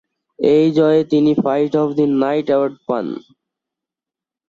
এই জয়ে তিনি fight of the night award পান।